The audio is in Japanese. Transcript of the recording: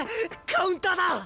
カウンターだ！